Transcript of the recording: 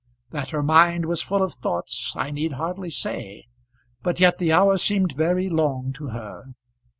That her mind was full of thoughts I need hardly say, but yet the hour seemed very long to her.